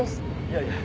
いやいや。